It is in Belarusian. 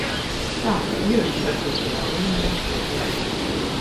Так, ёсць высокі ўзровень захворвання.